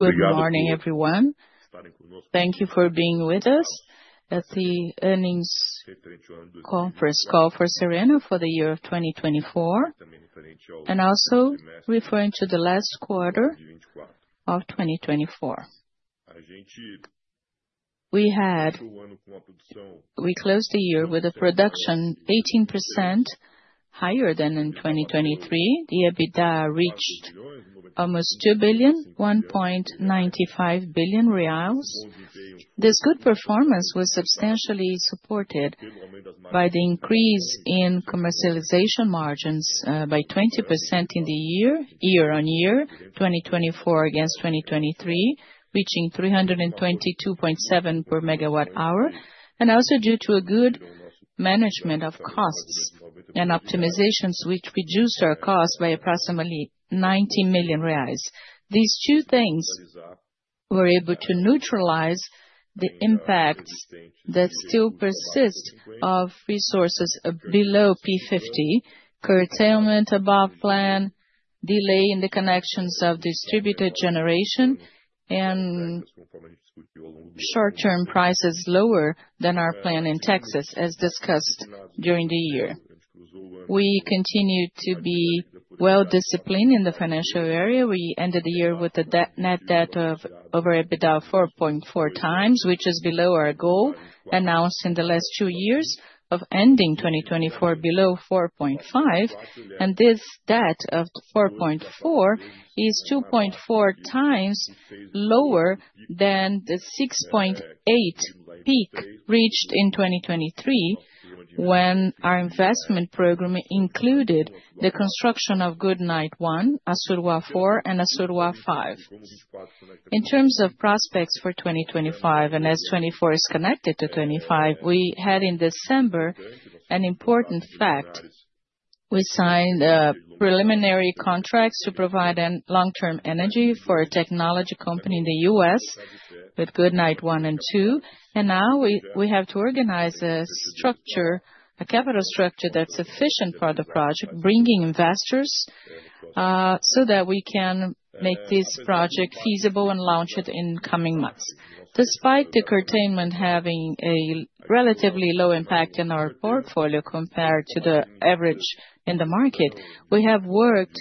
Good morning, everyone. Thank you for being with us at the Earnings Conference call for Serena for the year of 2024, and also referring to the last quarter of 2024. We closed the year with a production 18% higher than in 2023. The EBITDA reached almost 2 billion, 1.95 billion BRL. This good performance was substantially supported by the increase in commercialization margins by 20% in the year-on-year 2024 against 2023, reaching 322.7 per megawatt hour, and also due to a good management of costs and optimizations, which reduced our costs by approximately 90 million reais. These two things were able to neutralize the impacts that still persist of resources below P50, curtailment above plan, delay in the connections of distributed generation, and short-term prices lower than our plan in Texas, as discussed during the year. We continue to be well-disciplined in the financial area. We ended the year with a net debt over EBITDA of 4.4 times, which is below our goal announced in the last two years of ending 2024 below 4.5, and this debt of 4.4 is 2.4 times lower than the 6.8 peak reached in 2023 when our investment program included the construction of Goodnight 1, Assuruá 4, and Assuruá 5. In terms of prospects for 2025, and as 2024 is connected to 2025, we had in December an important fact. We signed preliminary contracts to provide long-term energy for a technology company in the U.S. with Goodnight 1 and 2, and now we have to organize a structure, a capital structure that's efficient for the project, bringing investors so that we can make this project feasible and launch it in coming months. Despite the curtailment having a relatively low impact in our portfolio compared to the average in the market, we have worked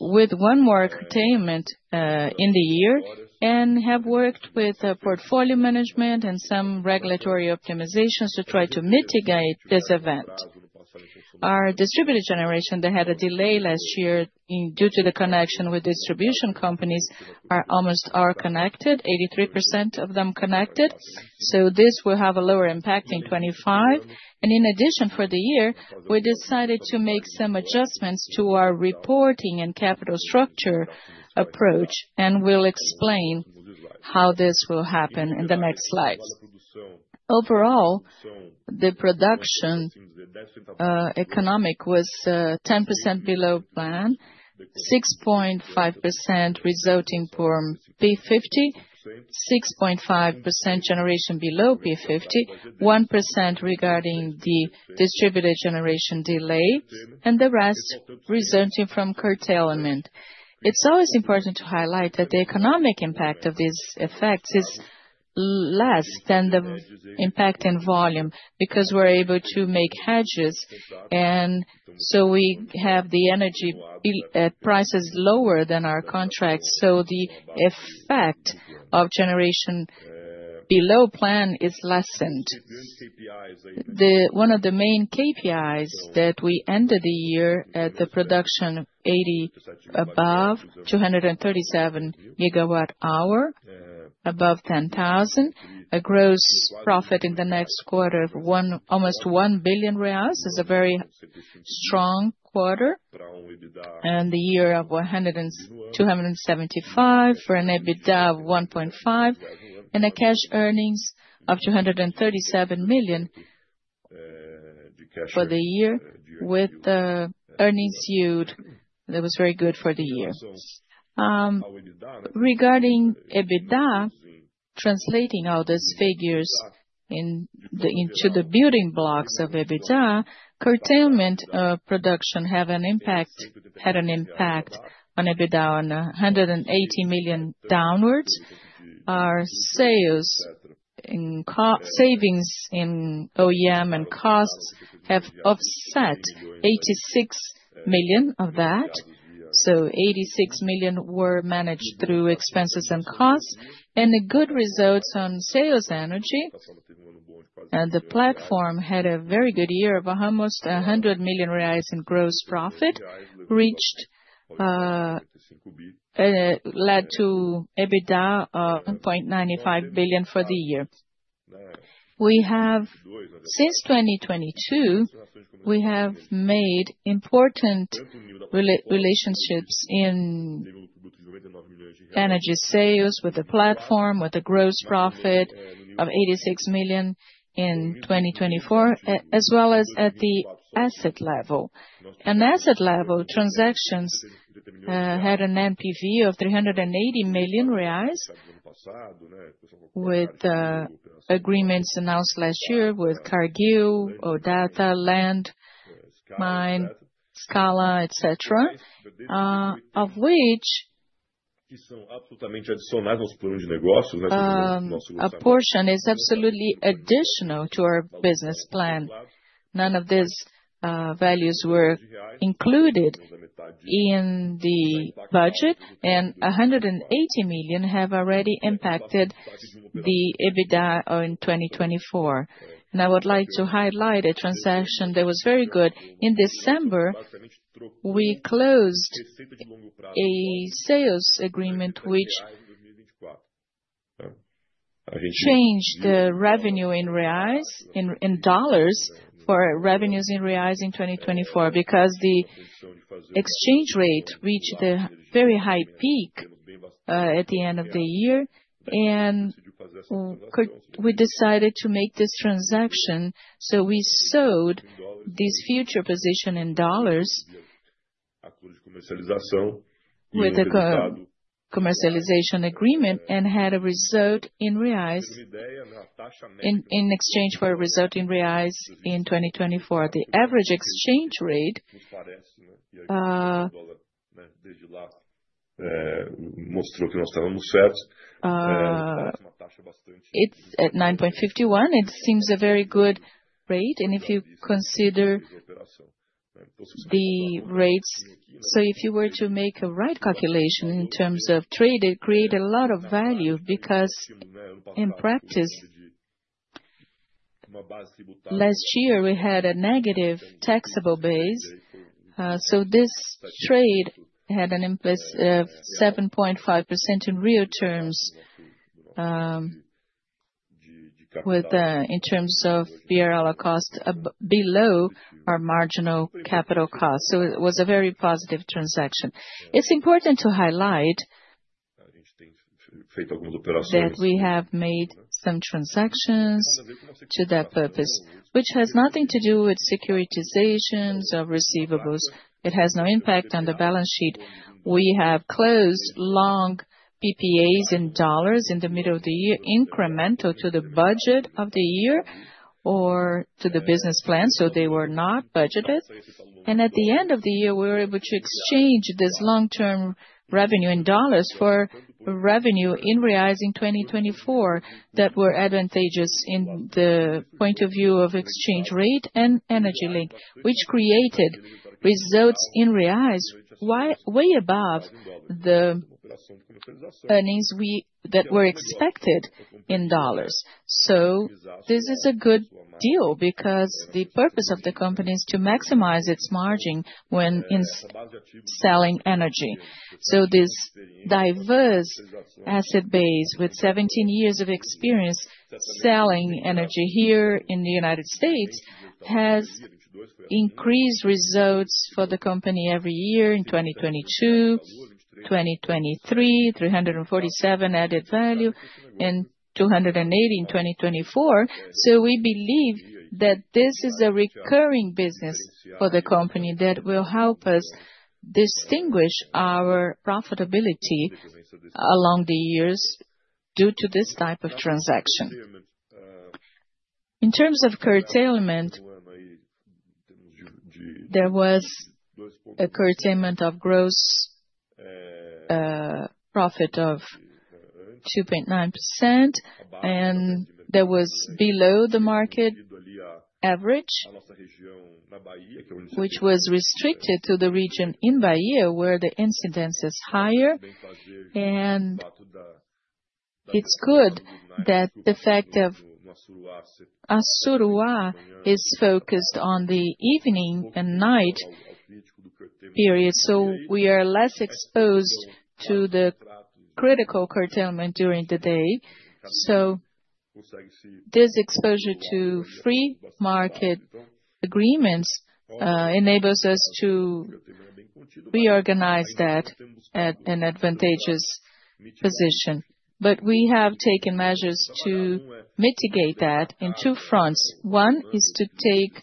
with one more curtailment in the year and have worked with portfolio management and some regulatory optimizations to try to mitigate this event. Our distributed generation that had a delay last year due to the connection with distribution companies almost are connected, 83% of them connected, so this will have a lower impact in 2025. In addition, for the year, we decided to make some adjustments to our reporting and capital structure approach, and we'll explain how this will happen in the next slides. Overall, the production economics was 10% below plan, 6.5% resulting from P50, 6.5% generation below P50, 1% regarding the distributed generation delay, and the rest resulting from curtailment. It's always important to highlight that the economic impact of these effects is less than the impact in volume because we're able to make hedges, and so we have the energy prices lower than our contracts, so the effect of generation below plan is lessened. One of the main KPIs that we ended the year at the production P80 above, 237 megawatt hour above 10,000, a gross profit in the next quarter of almost 1 billion reais is a very strong quarter, and the year of 275 for an EBITDA of 1.5 and a cash earnings of 237 million for the year with the earnings yield that was very good for the year. Regarding EBITDA, translating all these figures into the building blocks of EBITDA, curtailment of production had an impact on EBITDA of 180 million downwards. Our savings in O&M and costs have offset 86 million of that, so 86 million were managed through expenses and costs, and the good results on sales energy. The platform had a very good year of almost 100 million reais in gross profit, which led to EBITDA of 1.95 billion for the year. Since 2022, we have made important relationships in energy sales with the platform, with a gross profit of 86 million in 2024, as well as at the asset level. At the asset level, transactions had an NPV of 380 million reais, with agreements announced last year with Cargill, Odata, Land Mine, Scala, etc., of which a portion is absolutely additional to our business plan. None of these values were included in the budget, and 180 million have already impacted the EBITDA in 2024. I would like to highlight a transaction that was very good. In December, we closed a sales agreement which changed the revenue in reais, in dollars for revenues in reais in 2024, because the exchange rate reached a very high peak at the end of the year, and we decided to make this transaction. So we sold this future position in dollars with a commercialization agreement and had a result in reais in exchange for a result in reais in 2024. The average exchange rate at 9.51. It seems a very good rate, and if you consider the rates. So if you were to make a right calculation in terms of trade, it created a lot of value because, in practice, last year we had a negative taxable base, so this trade had an impact of 7.5% in real terms in terms of P&L cost below our marginal capital cost. So it was a very positive transaction. It's important to highlight that we have made some transactions to that purpose, which has nothing to do with securitizations of receivables. It has no impact on the balance sheet. We have closed long PPAs in dollars in the middle of the year, incremental to the budget of the year or to the business plan, so they were not budgeted. And at the end of the year, we were able to exchange this long-term revenue in dollars for revenue in reais in 2024 that were advantageous in the point of view of exchange rate and energy link, which created results in reais way above the earnings that were expected in dollars. So this is a good deal because the purpose of the company is to maximize its margin when selling energy. So this diverse asset base with 17 years of experience selling energy here in the United States has increased results for the company every year in 2022, 2023, 347 added value and 280 in 2024. So we believe that this is a recurring business for the company that will help us distinguish our profitability along the years due to this type of transaction. In terms of curtailment, there was a curtailment of gross profit of 2.9%, and that was below the market average, which was restricted to the region in Bahia where the incidence is higher. And it's good that the fact of Assuruá is focused on the evening and night period, so we are less exposed to the critical curtailment during the day. So this exposure to free market agreements enables us to reorganize that at an advantageous position. But we have taken measures to mitigate that in two fronts. One is to take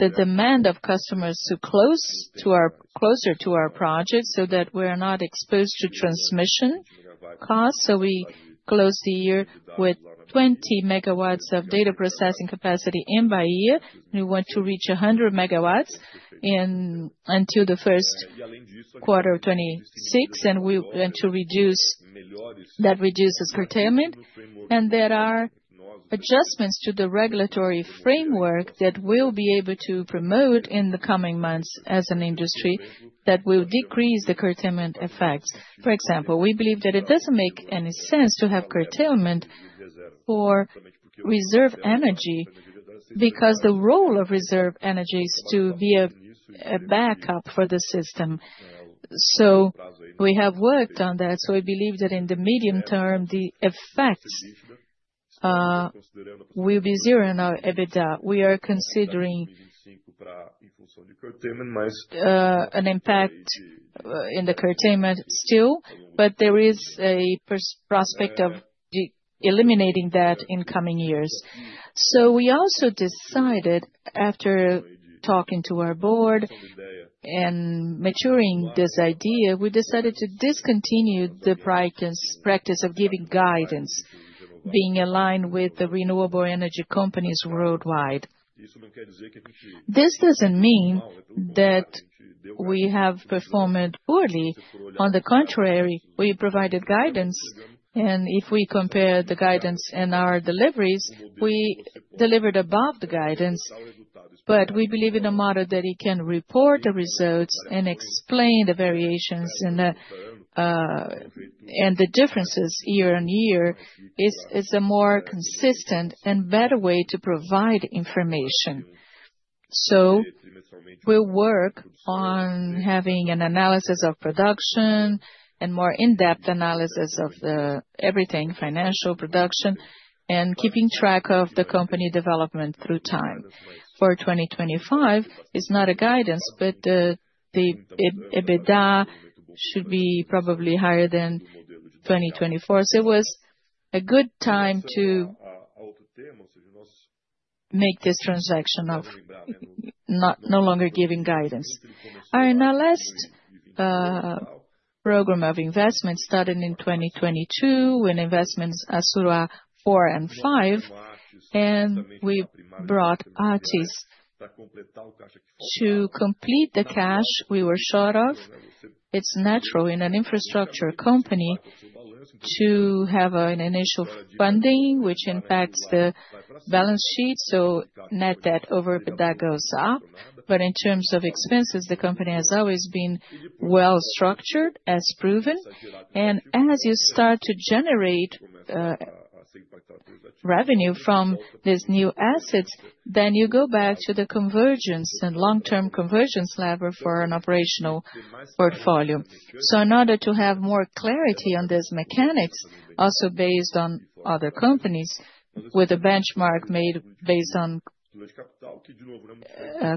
the demand of customers closer to our project so that we are not exposed to transmission costs. So we closed the year with 20 megawatts of data processing capacity in Bahia. We want to reach 100 megawatts until the first quarter of 2026, and we want to reduce that reduces curtailment. And there are adjustments to the regulatory framework that we'll be able to promote in the coming months as an industry that will decrease the curtailment effects. For example, we believe that it doesn't make any sense to have curtailment for reserve energy because the role of reserve energy is to be a backup for the system. So we have worked on that. So I believe that in the medium term, the effects will be zero in our EBITDA. We are considering an impact in the curtailment still, but there is a prospect of eliminating that in coming years. So we also decided, after talking to our board and maturing this idea, we decided to discontinue the practice of giving guidance being aligned with the renewable energy companies worldwide. This doesn't mean that we have performed poorly. On the contrary, we provided guidance, and if we compare the guidance and our deliveries, we delivered above the guidance. But we believe in a model that you can report the results and explain the variations and the differences year on year. It's a more consistent and better way to provide information. So we'll work on having an analysis of production and more in-depth analysis of everything, financial production and keeping track of the company development through time. For 2025, it's not a guidance, but the EBITDA should be probably higher than 2024. So it was a good time to make this transaction of no longer giving guidance. Our analyst program of investment started in 2022 when investments Assuruá 4 and 5, and we brought Actis to complete the cash we were short of. It's natural in an infrastructure company to have an initial funding, which impacts the balance sheet, so net debt over EBITDA goes up. But in terms of expenses, the company has always been well structured, as proven. And as you start to generate revenue from these new assets, then you go back to the convergence and long-term convergence lever for an operational portfolio. In order to have more clarity on these mechanics, also based on other companies with a benchmark made based on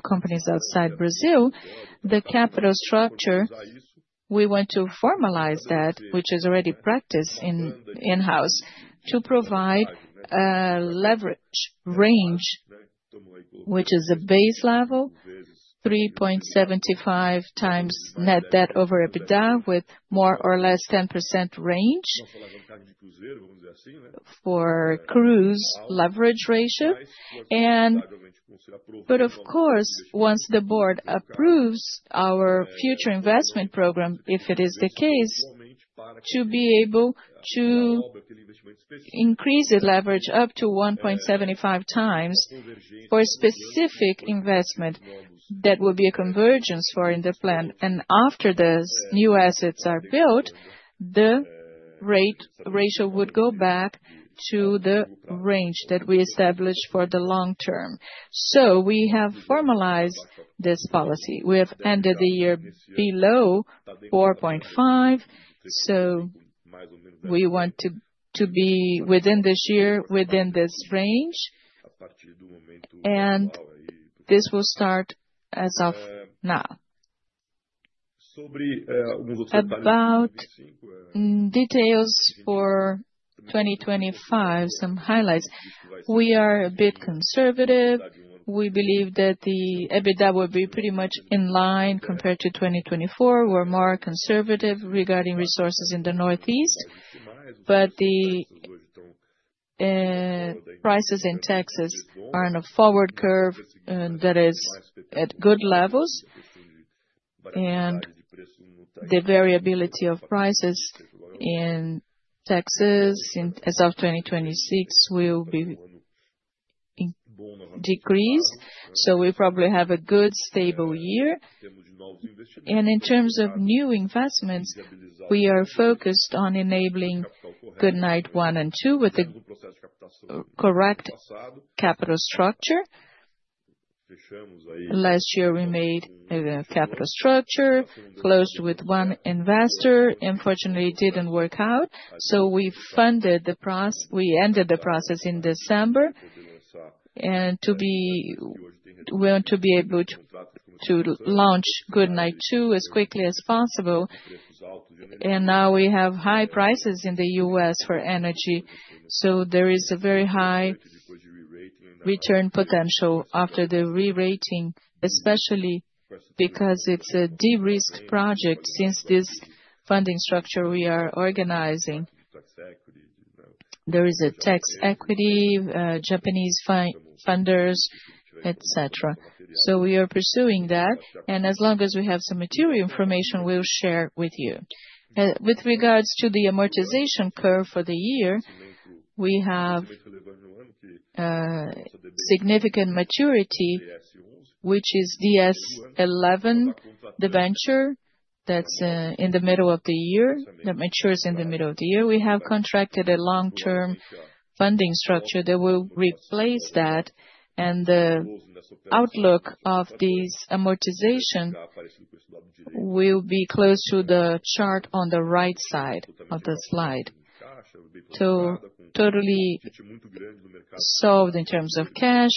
companies outside Brazil, the capital structure, we want to formalize that, which is already practiced in-house, to provide a leverage range, which is a base level, 3.75 times net debt over EBITDA with more or less 10% range for gross leverage ratio. Of course, once the board approves our future investment program, if it is the case, to be able to increase the leverage up to 4.75 times for a specific investment that would be a contingency foreseen in the plan. After those new assets are built, the leverage ratio would go back to the range that we established for the long term. We have formalized this policy. We have ended the year below 4.5, so we want to be within this year, within this range, and this will start as of now. About details for 2025, some highlights. We are a bit conservative. We believe that the EBITDA will be pretty much in line compared to 2024. We're more conservative regarding resources in the Northeast, but the prices in Texas are on a forward curve that is at good levels, and the variability of prices in Texas as of 2026 will be decreased. So we probably have a good stable year. And in terms of new investments, we are focused on enabling Goodnight 1 and 2 with the correct capital structure. Last year, we made a capital structure, closed with one investor. Unfortunately, it didn't work out, so we funded the process. We ended the process in December and want to be able to launch Goodnight 2 as quickly as possible, and now we have high prices in the U.S. for energy, so there is a very high return potential after the re-rating, especially because it's a de-risked project. Since this funding structure we are organizing, there is a tax equity, Japanese funders, etc., so we are pursuing that, and as long as we have some material information, we'll share with you. With regards to the amortization curve for the year, we have significant maturity, which is DS-11, the venture that's in the middle of the year, that matures in the middle of the year. We have contracted a long-term funding structure that will replace that, and the outlook of these amortizations will be close to the chart on the right side of the slide. So totally solved in terms of cash,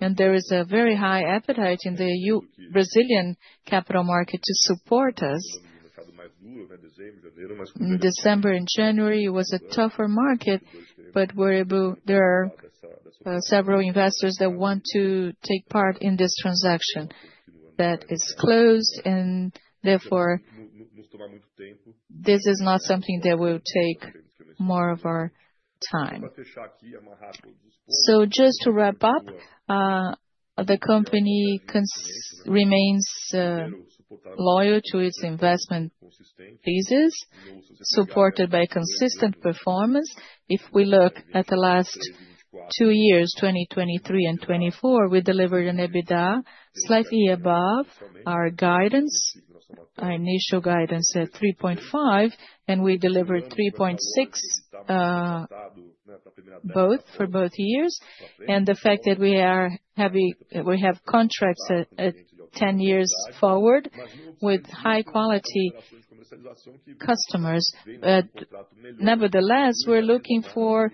and there is a very high appetite in the Brazilian capital market to support us. December and January was a tougher market, but there are several investors that want to take part in this transaction that is closed, and therefore this is not something that will take more of our time. So just to wrap up, the company remains loyal to its investment thesis, supported by consistent performance. If we look at the last two years, 2023 and 2024, we delivered an EBITDA slightly above our guidance, our initial guidance at 3.5, and we delivered 3.6 for both years. And the fact that we have contracts at 10 years forward with high-quality customers. Nevertheless, we're looking for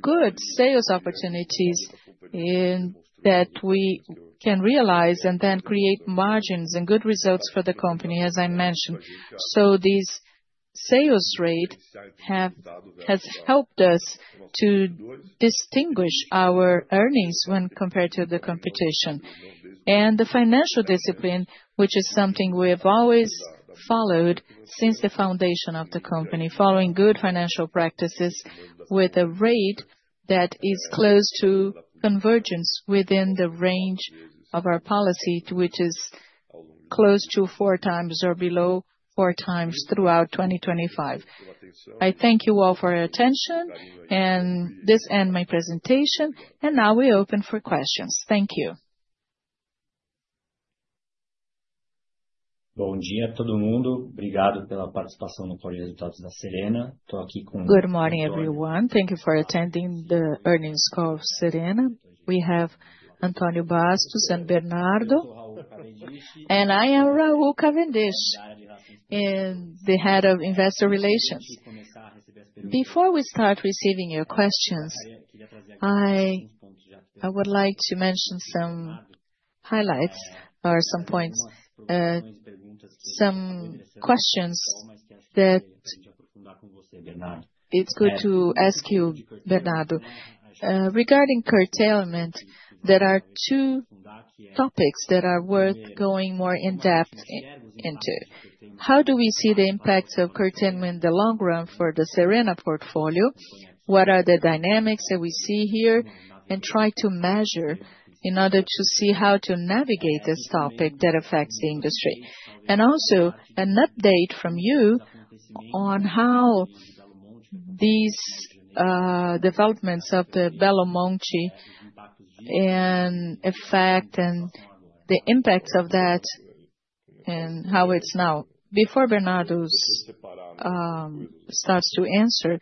good sales opportunities that we can realize and then create margins and good results for the company, as I mentioned. So these sales rates have helped us to distinguish our earnings when compared to the competition. And the financial discipline, which is something we have always followed since the foundation of the company, following good financial practices with a rate that is close to convergence within the range of our policy, which is close to four times or below four times throughout 2025. I thank you all for your attention, and this ends my presentation, and now we open for questions. Thank you. Bom dia a todo mundo. Obrigado pela participação no Colégio de Resultados da Serena. Estou aqui com. Good morning, everyone. Thank you for attending the earnings call of Serena. We have Antonio Bastos and Bernardo. And I am Raul Cavendish, the head of investor relations. Before we start receiving your questions, I would like to mention some highlights or some points, some questions that. It's good to ask you, Bernardo, regarding curtailment. There are two topics that are worth going more in-depth into. How do we see the impacts of curtailment in the long run for the Serena portfolio? What are the dynamics that we see here and try to measure in order to see how to navigate this topic that affects the industry, and also an update from you on how these developments of the Belo Monte and effect and the impacts of that and how it's now. Before Bernardo starts to answer,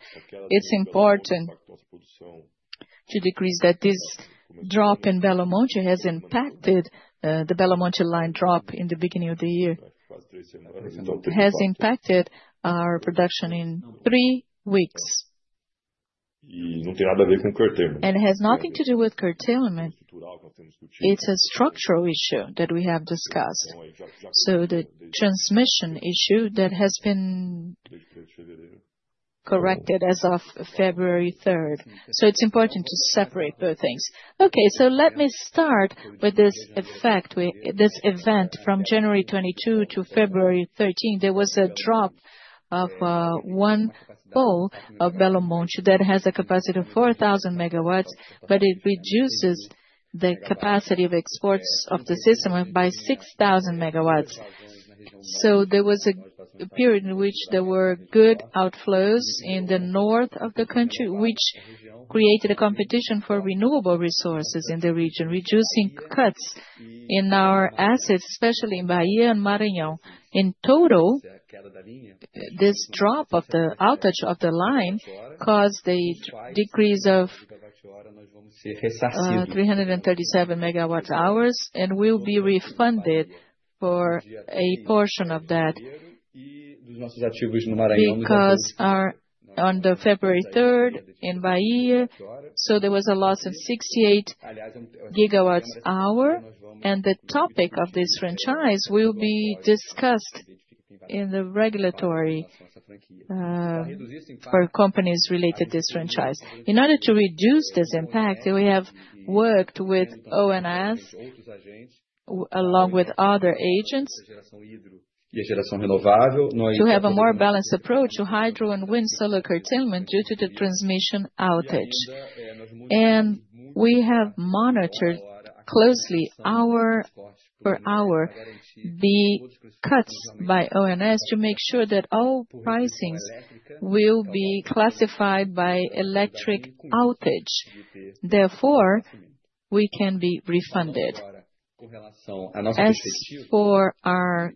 it's important to disclose that this drop in Belo Monte has impacted the Belo Monte line drop in the beginning of the year. It has impacted our production in three weeks. E não tem nada a ver com o curtailment. And it has nothing to do with curtailment. It's a structural issue that we have discussed. So the transmission issue that has been corrected as of February 3rd. So it's important to separate those things. Okay, so let me start with this effect, this event. From January 22 to February 13, there was a drop of one line of Belo Monte that has a capacity of 4,000 megawatts, but it reduces the capacity of exports of the system by 6,000 megawatts. So there was a period in which there were good outflows in the north of the country, which created a competition for renewable resources in the region, reducing cuts in our assets, especially in Bahia and Maranhão. In total, this drop of the outage of the line caused a decrease of 337 megawatt-hours, and we'll be refunded for a portion of that because on February 3rd in Bahia, so there was a loss of 68 gigawatt-hours. The topic of this franchise will be discussed in the regulatory for companies related to this franchise. In order to reduce this impact, we have worked with ONS, along with other agents, to have a more balanced approach to hydro and wind solar curtailment due to the transmission outage. We have monitored closely our per hour, the cuts by ONS to make sure that all pricings will be classified by electric outage. Therefore, we can be refunded. As for our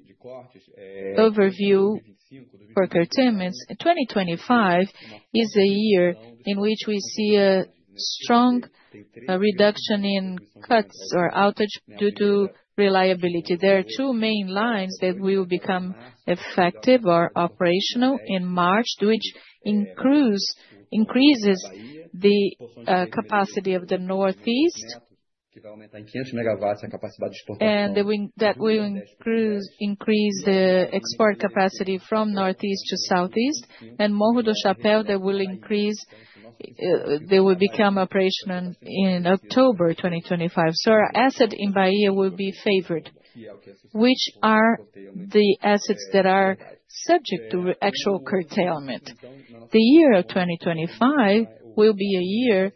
overview for curtailments, 2025 is a year in which we see a strong reduction in cuts or outage due to reliability. There are two main lines that will become effective or operational in March, which increases the capacity of the Northeast, and that will increase the export capacity from Northeast to Southeast. Morro do Chapéu, that will increase. They will become operational in October 2025. So our asset in Bahia will be favored, which are the assets that are subject to actual curtailment. The year of 2025 will be a year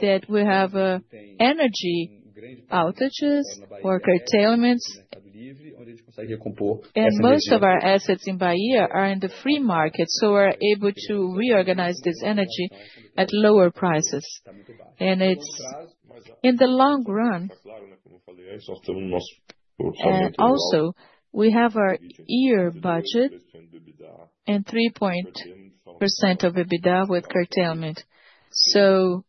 that we have energy outages or curtailments, and most of our assets in Bahia are in the free market, so we're able to reorganize this energy at lower prices. And it's in the long run. Also, we have our year budget and 3% of EBITDA with curtailment. So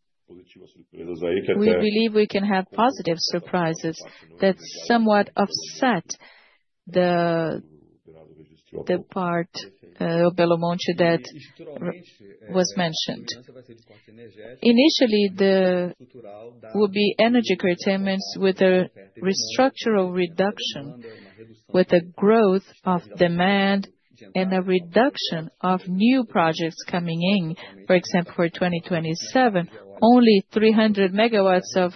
we believe we can have positive surprises that somewhat offset the part of Belo Monte that was mentioned. Initially, there will be energy curtailments with a structural reduction, with a growth of demand and a reduction of new projects coming in. For example, for 2027, only 300 megawatts of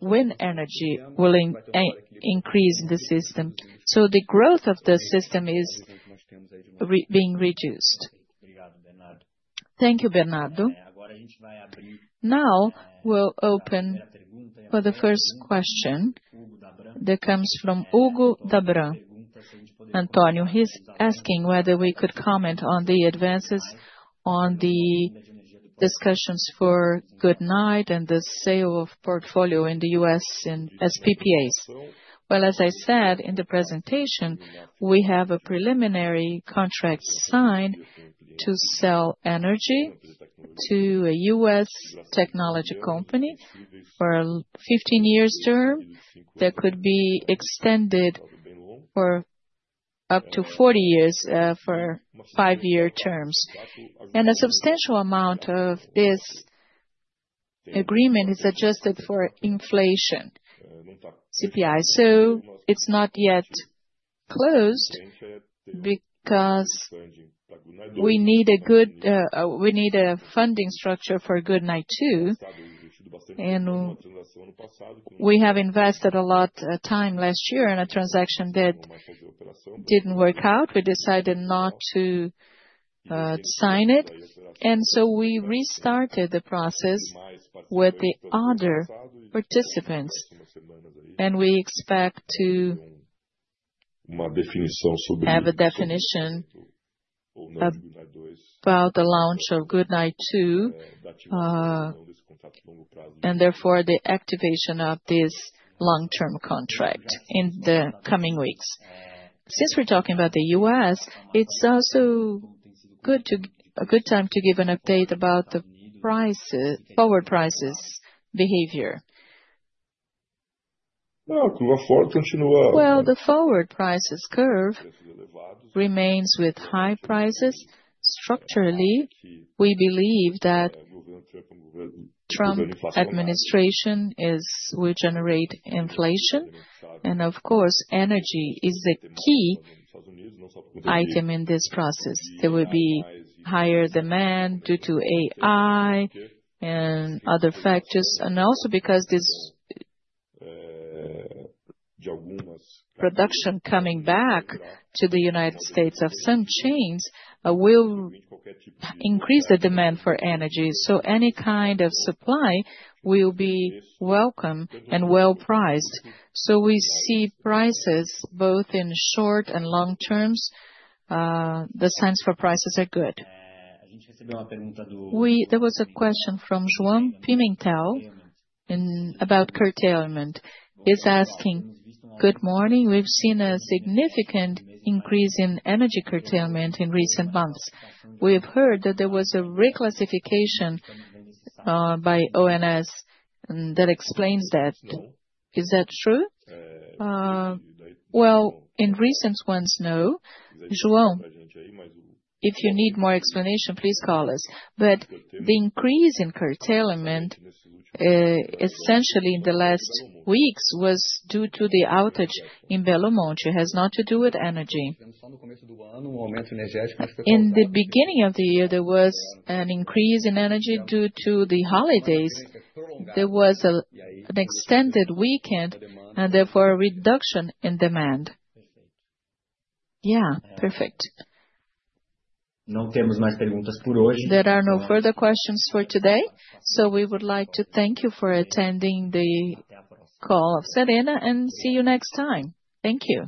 wind energy will increase in the system. So the growth of the system is being reduced. Thank you, Bernardo. Now we'll open for the first question that comes from Hugo Debrun. António, he's asking whether we could comment on the advances on the discussions for Goodnight and the sale of portfolio in the U.S. as PPAs. Well, as I said in the presentation, we have a preliminary contract signed to sell energy to a U.S. technology company for a 15-year term. That could be extended for up to 40 years for five-year terms. And a substantial amount of this agreement is adjusted for inflation, CPI. So it's not yet closed because we need a good funding structure for Goodnight 2. We have invested a lot of time last year in a transaction that didn't work out. We decided not to sign it, and so we restarted the process with the other participants, and we expect to have a definition about the launch of Goodnight 2 and therefore the activation of this long-term contract in the coming weeks. Since we're talking about the U.S., it's also a good time to give an update about the prices, forward prices behavior. The forward prices curve remains with high prices. Structurally, we believe that the Trump administration will generate inflation, and of course, energy is the key item in this process. There will be higher demand due to AI and other factors, and also because this production coming back to the United States of some chains will increase the demand for energy. So any kind of supply will be welcome and well priced. So we see prices both in short and long terms. The signs for prices are good. There was a question from João Pimentel about curtailment. He's asking, "Good morning. We've seen a significant increase in energy curtailment in recent months. We've heard that there was a reclassification by ONS that explains that. Is that true?" Well, in recent ones, no. João, if you need more explanation, please call us. But the increase in curtailment, essentially in the last weeks, was due to the outage in Belo Monte. It has nothing to do with energy. In the beginning of the year, there was an increase in energy due to the holidays. There was an extended weekend and therefore a reduction in demand. Yeah, perfect. Não temos mais perguntas por hoje. There are no further questions for today, so we would like to thank you for attending the call of Serena and see you next time. Thank you.